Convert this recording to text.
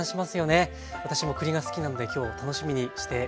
私も栗が好きなので今日楽しみにしてまいりました。